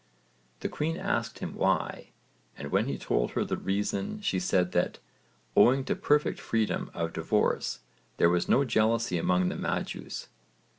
The queen asked him why, and when he told her the reason she said that, owing to perfect freedom of divorce, there was no jealousy among the Madjus.